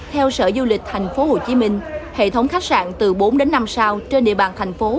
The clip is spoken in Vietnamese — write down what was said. theo sở du lịch tp hcm hệ thống khách sạn từ bốn năm sao trên địa bàn tp hcm